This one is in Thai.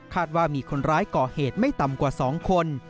ว่ามีคนร้ายก่อเหตุไม่ต่ำกว่า๒คน